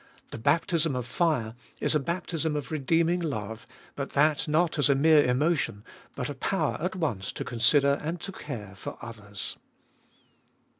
The baptism of fire is a baptism of redeeming love, but that not as a mere emotion, but a power at once to consider and to care for others.